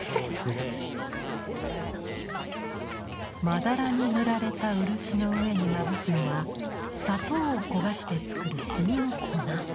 まだらに塗られた漆の上にまぶすのは砂糖を焦がして作る炭の粉。